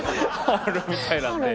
あるみたいなんで。